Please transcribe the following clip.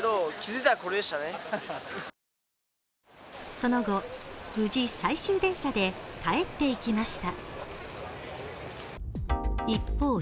その後、無事、最終電車で帰っていきました。